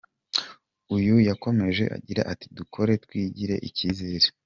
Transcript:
Uyu yakomeje agira ati “Dukore, twigirire icyizere.